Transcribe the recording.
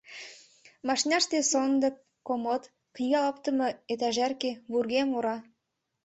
Машинаште сондык, комод, книга оптымо этажерке, вургем ора.